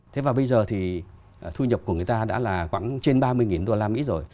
thế và bây giờ thì thu nhập của người ta đã là khoảng trên ba mươi đô la mỹ rồi